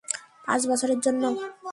পাঁচ বছরের জন্য?